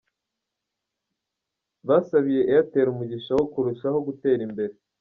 Basabiye Airtel umugisha wo kurushaho gutera imbere.